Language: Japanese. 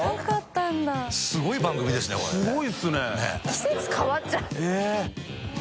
季節変わっちゃう